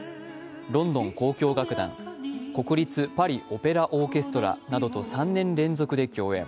ロンドン交響楽団、国立パリオペラオーケストラなどと３年連続で共演。